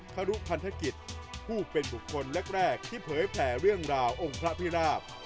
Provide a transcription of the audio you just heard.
ครับครับทนอาทิตย์พูดเป็นบุคคลแรกที่เผยแผลเรื่องราวองค์พระพิราพ